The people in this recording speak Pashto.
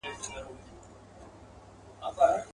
یو نفس به مي هېر نه سي زه هغه بې وفا نه یم.